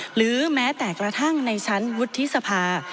หรือแม้แต่กระทั่งในชั้นวุฒิสภา